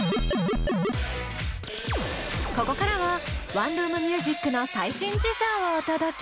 ここからはワンルーム☆ミュージックの最新事情をお届け。